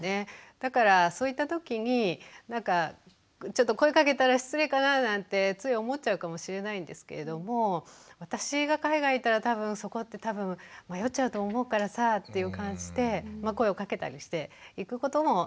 だからそういったときにちょっと声かけたら失礼かななんてつい思っちゃうかもしれないんですけれども私が海外にいたら多分そこって迷っちゃうと思うからさっていう感じで声をかけたりしていくことも大事だと思いますし。